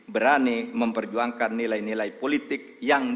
berani memperjuangkan nilai nilai politik yang diakini benar